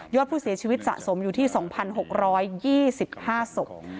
อดผู้เสียชีวิตสะสมอยู่ที่๒๖๒๕ศพ